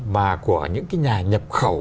mà của những cái nhà nhập khẩu